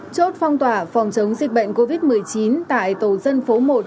chốt phong tỏa phòng chống dịch bệnh covid một mươi chín tại tổ dân phố một